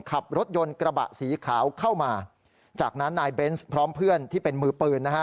ขับรถยนต์กระบะสีขาวเข้ามาจากนั้นนายเบนส์พร้อมเพื่อนที่เป็นมือปืนนะฮะ